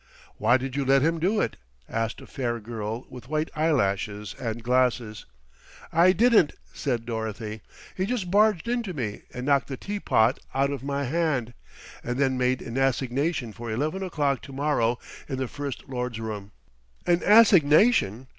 "Why did you let him do it?" asked a fair girl with white eyelashes and glasses. "I didn't," said Dorothy; "he just barged into me and knocked the teapot out of my hand, and then made an assignation for eleven o'clock to morrow in the First Lord's room." "An assignation!